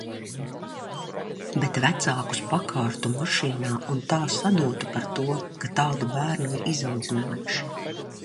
Bet vecākus pakārtu mašīnā un tā sadotu par to, ka tādu bērnu ir izaudzinājuši.